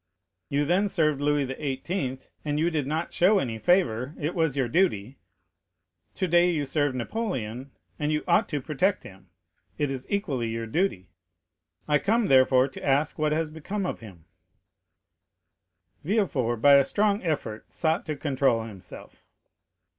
You then served Louis XVIII., and you did not show any favor—it was your duty; today you serve Napoleon, and you ought to protect him—it is equally your duty; I come, therefore, to ask what has become of him?" 0161m Villefort by a strong effort sought to control himself.